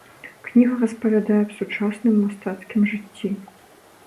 Кніга распавядае аб сучасным мастацкім жыцці.